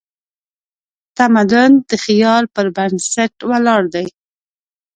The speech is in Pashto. تمدن د خیال پر بنسټ ولاړ دی.